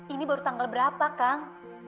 ini baru tanggal berapa kang